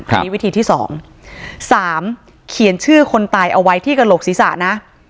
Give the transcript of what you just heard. อันนี้วิธีที่สองสามเขียนชื่อคนตายเอาไว้ที่กระโหลกศีรษะนะ